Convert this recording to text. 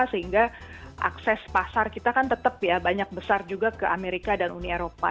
sehingga akses pasar kita kan tetap ya banyak besar juga ke amerika dan uni eropa